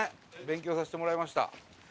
勉強させてもらいました。